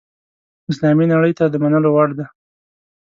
اسلامي نړۍ ته د منلو وړ ده.